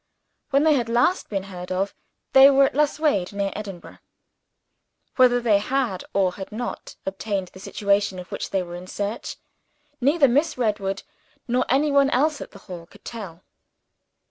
When they had last been heard of, they were at Lasswade, near Edinburgh. Whether they had, or had not, obtained the situation of which they were in search, neither Miss Redwood nor any one else at the Hall could tell.